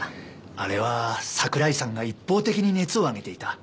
あれは桜井さんが一方的に熱を上げていた。